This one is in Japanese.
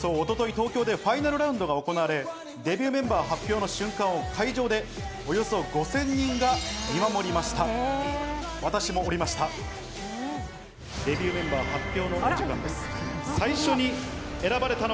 一昨日、東京でファイナルラウンドが行われてデビューメンバー発表の瞬間を会場でおよそ５０００人が見守りました。